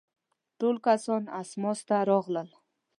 ټول کسان اسماس ته راغلل.